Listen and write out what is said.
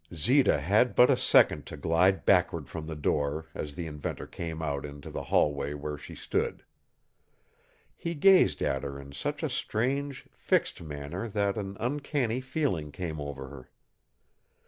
Zita had but a second to glide backward from the door as the inventor came out into the hallway where she stood. He gazed at her in such a strange, fixed manner that an uncanny feeling came over her.